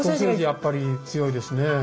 やっぱり強いですねえ。